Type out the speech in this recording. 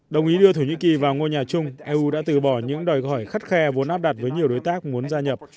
đồng ý đưa thổ nhĩ kỳ vào ngôi nhà chung eu đã từ bỏ những đòi hỏi khắt khe vốn áp đặt với nhiều đối tác muốn gia nhập